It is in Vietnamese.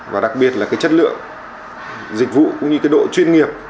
và đặc biệt là cái chất lượng dịch vụ cũng như cái độ chuyên nghiệp